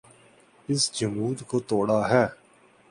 اس جمود کو توڑا ہے۔